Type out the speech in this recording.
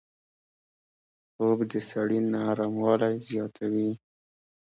خوب د سړي نرموالی زیاتوي